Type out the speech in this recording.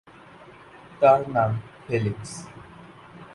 তার নাম ফেলিক্স।